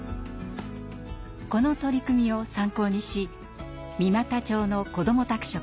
この取り組みを参考にし三股町のこども宅食